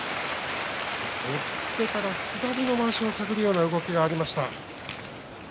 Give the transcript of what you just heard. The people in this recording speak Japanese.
押っつけから左のまわしを探るような動きがありました。